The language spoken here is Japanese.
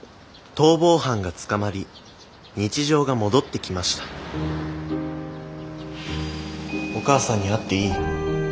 逃亡犯が捕まり日常が戻ってきましたお母さんに会っていい？